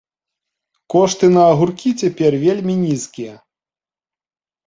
Кошты на агуркі цяпер вельмі нізкія.